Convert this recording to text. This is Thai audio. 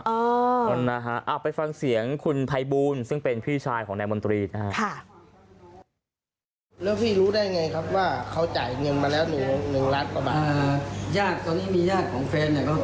นะฮะไปฟังเสียงคุณภัยบูลซึ่งเป็นพี่ชายของนายมนตรีนะฮะ